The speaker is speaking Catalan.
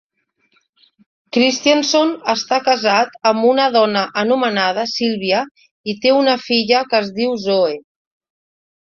Christianson està casat amb una dona anomenada Sylvia i té una filla que es diu Zoe.